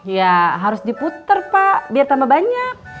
ya harus diputer pak biar tambah banyak